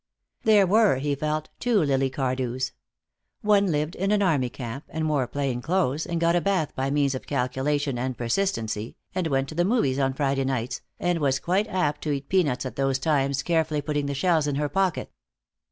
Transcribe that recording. There were, he felt, two Lily Cardews. One lived in an army camp, and wore plain clothes, and got a bath by means of calculation and persistency, and went to the movies on Friday nights, and was quite apt to eat peanuts at those times, carefully putting the shells in her pocket.